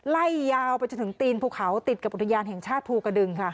ไล่ยาวไปจนถึงตีนภูเขาติดกับอุทยานแห่งชาติภูกระดึงค่ะ